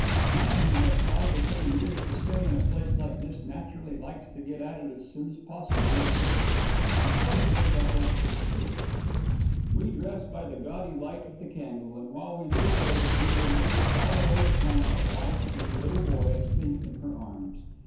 A man who has five or ten years to stay in a place like this naturally likes to get at it as soon as possible each day, and so he gets up at 6:30. We dress by the gaudy light of the candle, and while we do so, we remember far away at home our wife and the little boy asleep in her arms.